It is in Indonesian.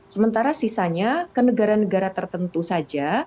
sementara sisanya ke negara negara tertentu saja